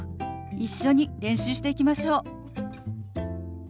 一緒に練習していきましょう。